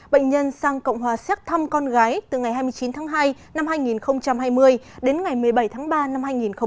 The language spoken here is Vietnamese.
bệnh nhân sang cộng hòa xét thăm con gái từ ngày hai mươi chín tháng hai năm hai nghìn hai mươi đến ngày một mươi bảy tháng ba năm hai nghìn hai mươi